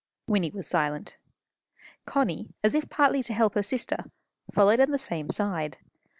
Wynnie was silent. Connie, as if partly to help her sister, followed on the same side.